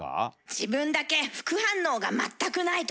自分だけ副反応が全くないとき。